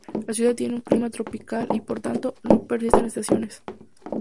La ciudad tiene un clima tropical y, por tanto, no persisten estaciones.